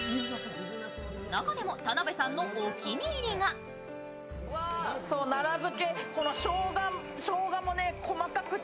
中でも田辺さんのお気に入りがそう、奈良漬。